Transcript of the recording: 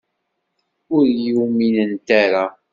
Ur iyi-uminent ara.